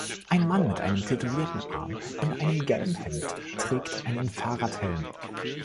Ein Mann mit einem tätowierten Arm in einem gelben Hemd trägt einen Fahrradhelm.